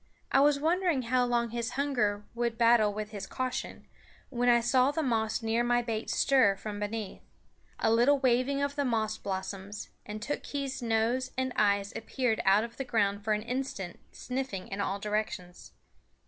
I was wondering how long his hunger would battle with his caution, when I saw the moss near my bait stir from beneath. A little waving of the moss blossoms, and Tookhees' nose and eyes appeared out of the ground for an instant, sniffing in all directions.